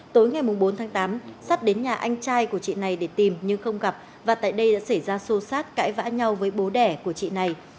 tối ngày bốn tháng tám sát đến nhà anh trai của chị này để tìm nhưng không gặp và tại đây đã xảy ra xô xát cãi vã nhau với bố đẻ của chị này